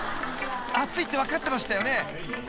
［熱いって分かってましたよね？］